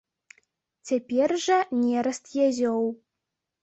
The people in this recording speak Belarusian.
Цяпер жа нераст язёў.